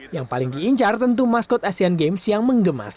yang paling diincar tentu maskot asean games yang mengenal